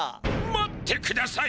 待ってください！